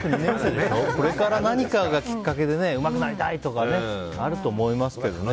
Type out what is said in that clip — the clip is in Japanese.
これから何かがきっかけでうまくなりたいとかあると思いますけどね。